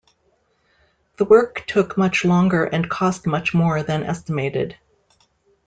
The work took much longer and cost much more than estimated.